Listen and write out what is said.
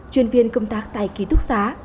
chuyên viên công tác tại ký túc xá